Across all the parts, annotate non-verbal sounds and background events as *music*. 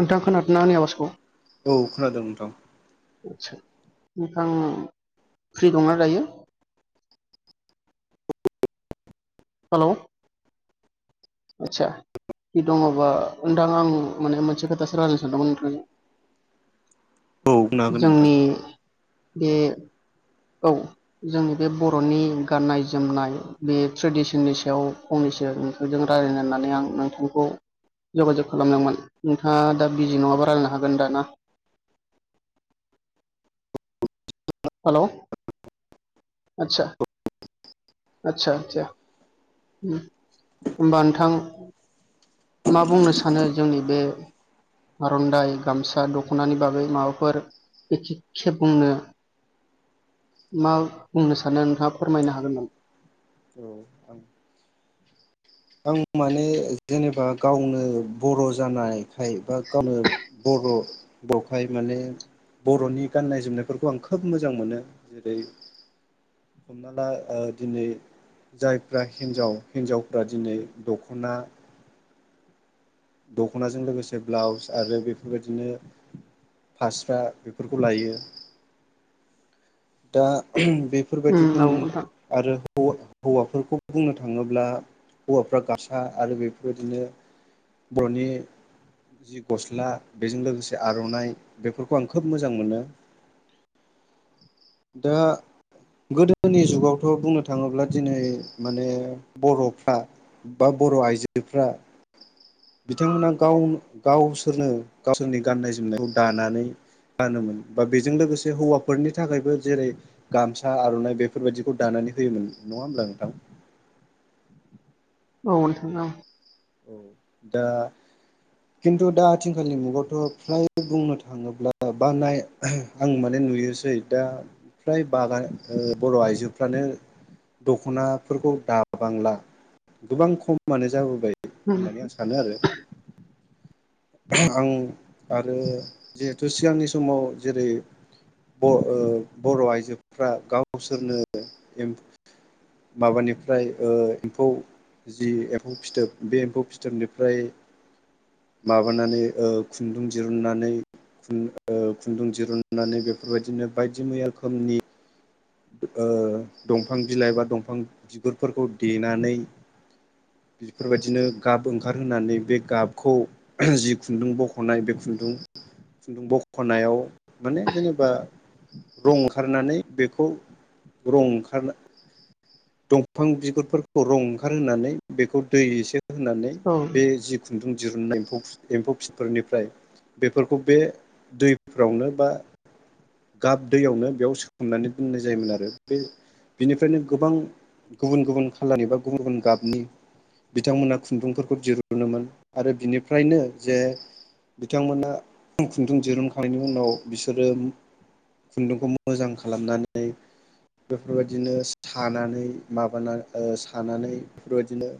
नोंथां खोनादोंना आंनि आवाजखौ? औ खोनादों नोंथां। आतसा ओमफ्राय नोंथां फ्रि दंना दायो? हेलौ आतसा फ्रि दङबा नोंथां आं माने मोनसे खोथासो रायजायनो सानदोंमोन नोंथांजों औ बुंनो हागोन नोंथां। जोंनि *unintelligible* औ जोंनि बे बर'नि गाननाय जोमनाय बे ट्रेडिसननि सायाव फंनैसो नोंथांजों राय्लायनो होननानै आं नोंथांखौ जगाजग खालामदोंमोन नोंथाङा दा बिजि नङाबा रायलायनो हागोनद ना? हेलौ आदसा आदसा आदसा हबा नोंथां मा बुंनो सानो जोंनि बे आर'दाइ गामसा दख'नानि बागै माबाफोर एखे-खे बुंनो। *inaudible* मा बुंनो सानो नोंथाङा फोरमायनो हागोन नामा? *inaudible* औ आं आं माने जेनेबा गावनो बर' जानाय खाय बा गावनो बर'। बावहाय माने बर'नि गाननाय जोमनायफोरखौ आं खोब मोजां मोनो जेरै हमना ला दिनै जायफ्रा हिन्जाव हिनजाव बा दिनै दख'ना दख'नाजों लोगोसे ब्लाउस आरो बेफोरबायदिनो फास्रा बेफोरखौ लायो। दा उम बेफोरबायदिखौ औ नु नोंथां आरो हौवा-होवाफोरखौ बुंनो थाङोब्ला हौवाफ्रा गासा आरो बेफोरबायदिनो बर'नि जि गस्ला बेजों लोगोसे आर'नाइ बेफोरखौ आं खोब मोजां मोनो। दा गोदोनि जुगावथ' बुंनो थाङोब्ला दिनै माने बर'फ्रा बा बर' आइजोफ्रा बिथांमोना गाव गावसोरनो गावसोरनि गाननाय जोमनायखौ दानानै गानोमोन बा बेजों लोगोसे हौवाफोरनि थाखायबो जेरै गामसा आर'नाइ बेफोरबायाददिखौ दानानै होयोमोन नङा होमब्ला नोंथां? औ *unintelligible* औ दा खिन्थु दा आथिंखालनि मुगायावथ' फ्राय बुंनो थाङोब्ला बा नाय आं माने नुयोसै दा फ्राय बागान बर' आइजोफ्रानो दख'नाफोरखौ दाबांला गोबां खमानो जाबोबाय। उम होननानै आं सानो आरो आं आरो जिहेथु सिगांनि समाव जेरै ब ओ बर' आइजोफ्रा गावसोरनो माबानिफ्राय ओ एम्फौ जि एम्फौ फिथोब। बे एम्फौ फिथोबनिफ्राय माबानानै खुन्दुं दिरुननानै ओ खुन्दुं दिरुुननानै बेफोरबायदिनो बायदि मैया रोखोमनि ओ दंफां बिलाइ बा दंफां बिगुरफोरखौ देनानै बेफोरबायदिनो गाब ओंखारहोनानै बे गाबखौ जि खुन्दुं बख'नाय बे खुन्दुं खुन्दुं बख'नायाव माने जेनेबा रं ओंखारनानै बे खौ रं ओंखारनो दंफां बिगुरफोरखौ रं ओंखार होनोनानै बेखौ दै एसे होननानै औ बे जिखुन दुदुं दिरुननायम्फौ एम्फौ फिनफोरनिफ्राय बेफोरखौ बे दैफोरावनो बा गाब दैयावनो बेयाव सोखोमनानै बुंनाय जायोमोन आरो बे बिनिफ्रायनो गोबां गुबुन गुबुन खालारनि बा गुबुन गुबुन गाबनि बिथांमोना खुन्दुंफोरखौ दिरुनोन आरो बिनिफ्रायनो जे बिथांमोना खुन्दुं दिरुनखांनायनि उनाव बिसोरो खुन्दुंखौ मोजां खालामनानै बेफोरबायदिनो सानानै माबा सानानै बेफोरबायदिनो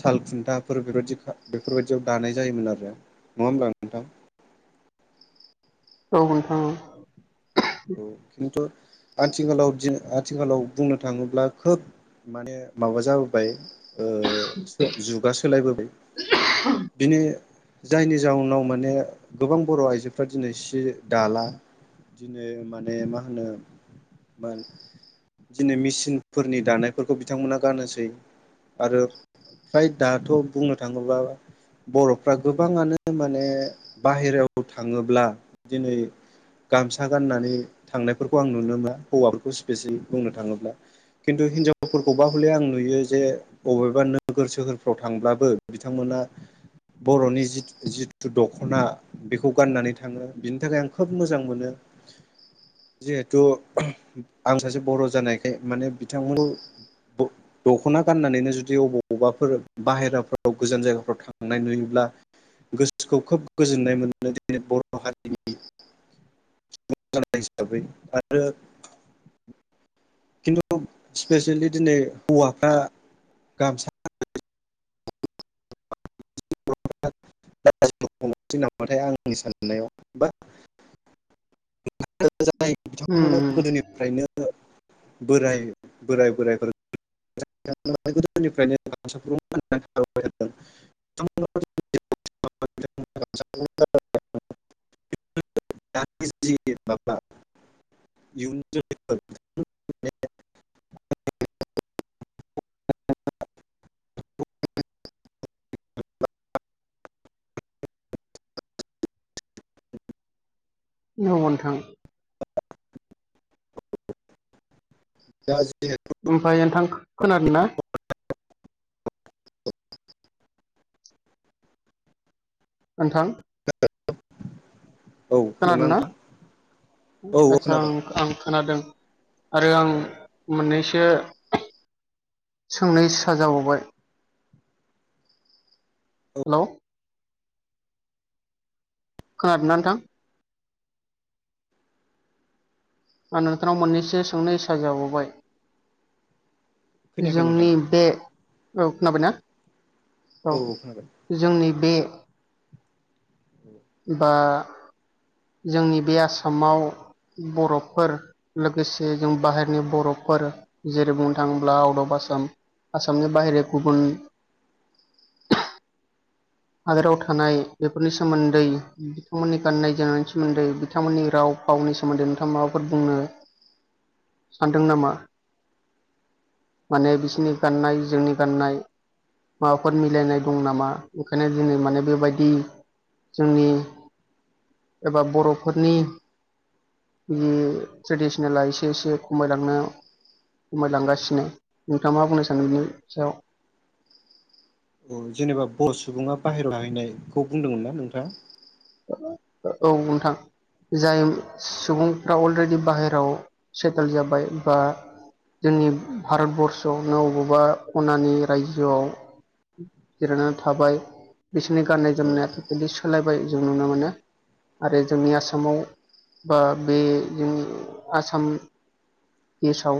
साल खुन्थाफोर बेबायदि बेफोरबायदियाव दानाय जायोमोन आरो नङा होमब्ला नोंथां औ नोंथां औ खिन्थु आथिखालाव आथिखालाव बुंनो थाङोब्ला खोब माने माबा जाबोबाय ओ जुगा सोलायबोबाय बिनि जायनि जाउनाव माने गोबां बर' आइजोफ्रा दिनै सि दाला दिनै माने मा होनो मा दिनै मेसिनफोरनि दानायफोरखौ बिथांमोना गानोनोसै आरो फ्राय दाथ' बुंनो थाङोब्ला बर'फ्रा गोबाङानो माने बाहेरायाव थाङोब्ला दिनै गाम खोथा गाननानै थांनायफोरखौ आं नुनो मोना हौवाफोरखौ स्पेसिलि बुंनो थाङोब्ला खिन्थु हिनजावफोरखौबा हले आं नुयो जे बबेबा नोगोर सोहोरफ्राव थांब्लाबो बिथांमोना बर'नि जिथु दख'ना बेखौ गाननानै थाङो बिनि थाखाय आं खोब मोजां मोनो जिहेथु आं सासे बर' जानायखाय माने बिथांमोनखौ दख'ना गाननानैनो जुदि अबाव अबावबाफोर बाहेराफ्राव गोजान जायगाफ्राव थांनाय नुयोब्ला गोसोखौ खोब गोजोननाय मोनो दिनै बर' हारिनि हिसाबै आरो खिन्थु स्पेसियेलि दिनै हौवाफ्रा गामसा नांबाथाय आंनि साननायावा जानाय उम बिथांमोना उम गोदोनिफ्रायनो *unintelligible* बोराय बोरायफोरनिफ्रायनो *unintelligible* *inaudible* *inaudible* *inaudible* औ ओ नोंथां *inaudible* दा *inaudible* ओमफ्राय नोंथां खोनादों ना *inaudible* नोंथां औ खोनादोंना नोंथां औ औ आतसा खोनादों आ आं खोनादों आरो आं औ मोननै सो सोंनाय औ *inaudible* खोनादोंना नोंथां आं नोंथांनाव मोननैसो सोंनो इसा जाबावबाय खोनायाखै नोंथां जोंनि बे औ खोनाबाय ना औ जोंनि बे औ बा जोंनि बे आसामाव बर'फोर लोगोसे जों बाहेरनि बर'फोर जेरै बुंनो थाङोब्ला आउट अफ आसामक्षआसामनि बाहेर गुबुन हादोराव थानाय बेफोरनि सोमोन्दै बिथांमोननि गाननाय-जोमनायनि सोमोन्दै, बिथांमोननि राव फावनि सोमोन्दै नोंथाङा माबाफोर बुंनो सानदों नामा माने बिसोरनि गाननाय जोंनि गाननाय माबाफोर मिलायनाय दं नामा? ओंखायनो दिनै माने बेबायदि जोंनि एबा बर'फोरनि जि ट्रेडिसनेला एसे एसे खमायलांनो खमायलांगासिनो नोंथाङा मा बुंनो सानो बिनि सायाव औ जेनेबा बर' सुबुङा बाहेरायाव थाहैनायखौ बुंदोंमोन ना नोंथाङा औ नोंथां जाय सुबुंफ्रा अलरेडि बाहेरायाव सेटेल जाबाय बा जोंनि भारतबर्सआवनो अबावबा खनानि रायजोआव जिरायनानै थाबाय बि सोरनि गानाय औ जोमनायाथ *inaudible* लायबाय जों नुनो मोनो आरो जोंनि आसामाव बा बे जोंनि आसाम देस आव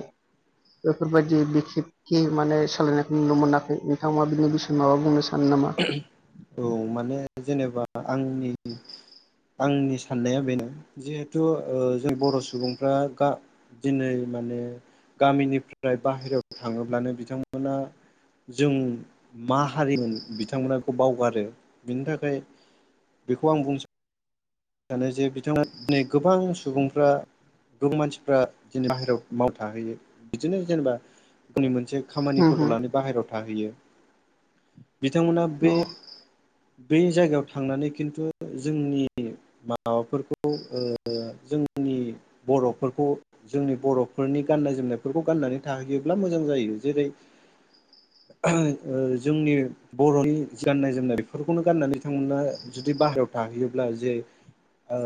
बेफोर बायदि बिखे खे माने सोलायनायखौ नुनो मोनाखै, नोंथांङा बिनि बिसय माबा बुंनो सानो नामा? औ, माने जेनेबा आंनि आंनि साननाया बेनो जिहेथु ओ जों बर' सुबुंफ्रा दिनै माने गामिनिफ्राय बाहेरायाव थाङोब्लानो बिथांमोना जों मा हारिमोन बिथांमोना बेखौ बावगारो। बिनि थाखाय बेखौ आं बुंनो सानो आं सानो जे बिथांमोना दिनै गोबां सुबुंफ्रा गुबुन मानसिफ्रा दिनै बाहेरायाव मावनो थाहैयो बिदिनो जेनेबा गावनि मोनसे खामानि फोरखौ लानो बाहेरायाव थाहैयो। बिथां मोना बे औ बे जायगायाव थांनानै खिन्थु जोंनि माबा फोरखौ ओ जोंनि बर 'फोरखौ, जोंनि बर' फोरनि गाननाय-जोमनाय फोरखौ गाननानै थाहैयोब्ला मोजां जायो। जेरै जोंनि बर'नि गाननाय-जोमनाय फोरखौनो गाननानै बिथांमोना जुदि बाहेरायाव थाहैयोब्ला जे ओ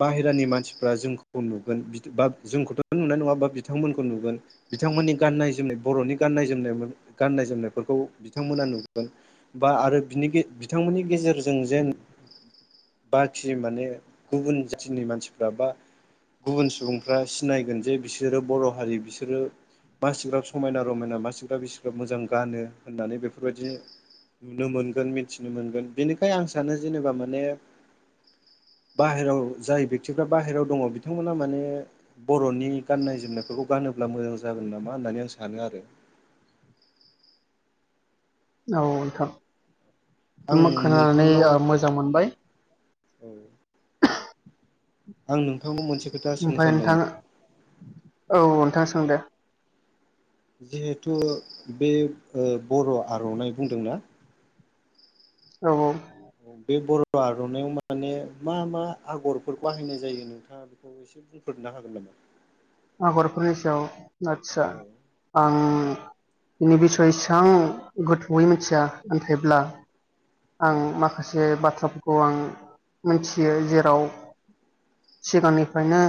बाहेरानि मानसिफ्रा जोंखौ नुगोन बा जोंखौथ' नुनाय नङा बा बिथांमोनखौ नुगोन, बिथां मोननि गाननाय-जोमनाय बर'नि गाननाय जोमनाय गाननाय जोमनाय फोरखौ बिथांमोना नुगोन बा आरो बेनि गेजेर बिथां मोननि गेजेरजों जेन बाखि माने गुबुन जाथिनि मानसिफ्रा बा गुबुन सुबुंफ्रा सिनायगोन जे बिसोरो बर' हारि बिसोरो मासिग्राब समायना- रमायना मासिग्राब बिसिग्राब मोजां गानो होननानै बेफोरबायदि नुनो मोन गोन मिथिनो मोनगोन बेनिखायनो आं सानो जेनेबा माने बाहेराव जाय बेक्टिफ्रा बाहेरायाव दङ' बिथां मोना माने बर'नि गाननाय-जोमनाय फोरखौ गानोब्ला मोजां जागोन नामा होननानै आं सानो आरो। औ आं नोंथां। खोनानानै नोंथांनाव मोजां मोनबाय । औ। आं नोंथांखौ मोन ओमफ्राय नोंथां, औ। नोंथां सोंदे जिहेथु बे ओ बर' आर'नाइ बुंदोंना औ औ। बे बर' आर'नाइ आव माने मा मा आगर फोर बाहायनाय जायो नोंथाङा बेखौ एसे बुंफोरनो हागोन नामा? आगर फोरनि सायाव आदसा औ आं बिनि बिसय इसेबां गोथौयै मिथिया नाथायब्ला आं औ माखासे बाथ्रा फोर खौ आं मिथियो जेराव सिगांनि फ्रायनो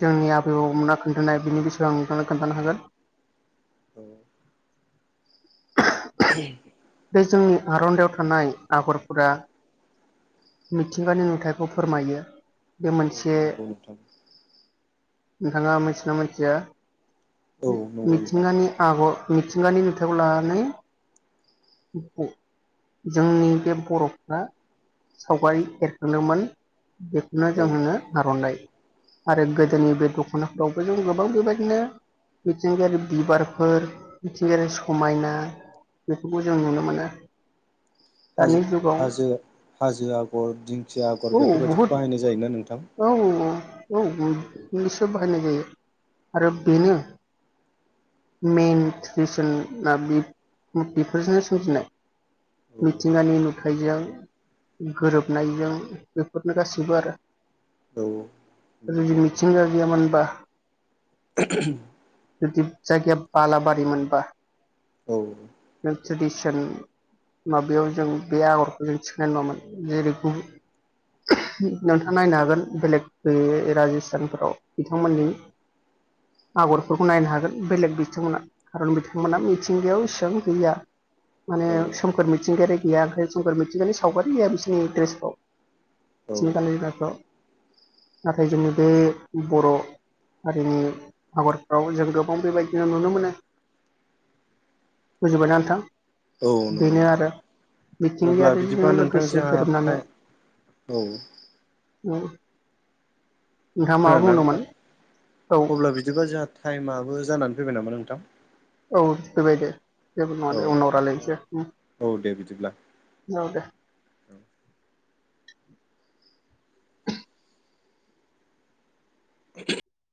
जोंनि आ बौ मोना खोन्थानाय बिनि बिसय आं नोंथांनो खोन्थानो हागोन। औ। *unintelligible* बे जोंनि आर'नाइ याव थानाय आगरलफोरा मिथिंगानि नुथायखौ फोरमायो बे औ मोनसे नंगौ नोंथां। नोंथाङा मिनथियो ना मिनथिया औ नंगौ नोंथां मिथिंगानि आगर मिथिंगानि नुथायाइखौ लानानै जोंनि बे बर'फ्रा सावगारि एरग्रोदोंमोन बेखौनो औ जों होनो आर'नाइ। आरो औ गोदोनि बे दखान दख'ना फोरावबो जों गोबां बेबायदिनो मिथिंगायारि बिबारलफोर मिथिंगायारि औ समायना उम खौ जों नुनो मोनो। हाजो दानि जुगाव हाजो हाजो आगर दिंखिया आगर औ बेफोरबायदिखौ बहुद बाहायनाय जायोना नोंथां? औ औ सोब बाहा होनाय जायो। आरो औ बेनो मेन रिजोनआ बि बेफोरजोंनो सोमजिनाय। मिथिंगानि नु खाइजों गोरोबनायजों बेफोरनो गासैबो आरो। औ नंगौ जुदि नोंथां मिथिंगा गैयामोनबा *unintelligible* जुदि जायगाया बालाबारि मोनबा औ। नों ट्रेडिसन माबायाव जों बे आगरखौ जों थिखनाय नङामोन जेरै नोंथाङा नायनो हागोन बेलेग बे राजस्थानफोराव बिथांमोननि आगरफोरखौ नायनो हागोन बेलेग बिथांमोना खारन बिथांमोना मिथिंगायाव इसां गैया। औ माने सोमखोर मिथिंगायारि गैया ओमफाय जौगार मिंगानि सावगारि गैया बिसोरनि ड्रेसफ्राव। औ सिनतानि लाथ नाथाय जोंनि बे बर' हारिनि आगरफ्राव जों गोबां बेबायदिनो नुनो मोनो। बुजिबायना नोंथां। औ नोंगौ बेनो नोंथां आरो अब्ला बिदिबा मिथिंगायारिजों नोंथां लोगोसे जोंहा गोरोबनानै टाइ औ। उम। खोनादों ना नोंथां औ अब्ला बिदिबा जोंहा थाइमआो जानानै फैबाय नामा नोंथां। औ फैबाय दे जेबो नङा औ दे उनाव रायलायनोसै उम औ दे बिदिब्ला औ दे । *inaudible* औ *inaudible* *inaudible*